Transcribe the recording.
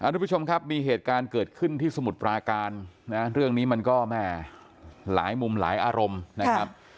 ทุกผู้ชมครับมีเหตุการณ์เกิดขึ้นที่สมุทรปราการนะเรื่องนี้มันก็แม่หลายมุมหลายอารมณ์นะครับ